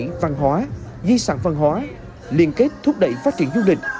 thúc đẩy văn hóa di sản văn hóa liên kết thúc đẩy phát triển du lịch